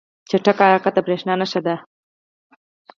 چټک حرکت د بریا نښه ده.